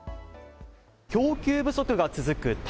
供給不足が続く卵。